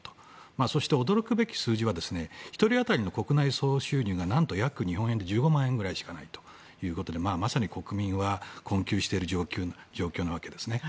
そして、驚くべき数字は１人当たりの国内総収入が何と日本円で約１５万円ぐらいしかないと。というわけで、まさに国民は困窮している状況なわけですね。